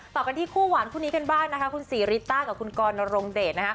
ต่อกันที่คู่หวานคู่นี้ถึงบ้านคุณศรีริตต้ากับคุณก้อนนรงเดต